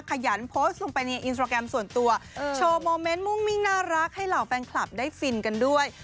ขยันโพสต์ลงไปในอินสตราแกรมส่วนตัวโชว์โมเมนต์มุ่งมิ้งน่ารักให้เหล่าแฟนคลับได้ฟินกันด้วย